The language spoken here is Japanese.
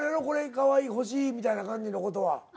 「これかわいい欲しい」みたいな感じの事は。